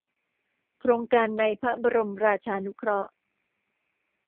โครงการในพระบรมราชานุเคราะห์